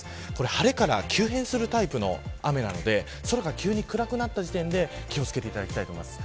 晴れから急変するタイプの雨なので空が急に暗くなった時点で気を付けてほしいと思います。